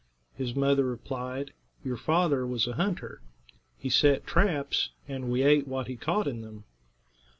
His mother replied: "Your father was a hunter. He set traps, and we ate what he caught in them."